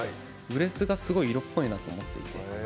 ブレスがすごい色っぽいなと思っていて。